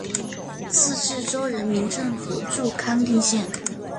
自治州人民政府驻康定县。